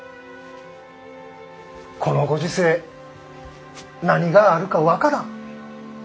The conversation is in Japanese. このご時世何があるか分からん。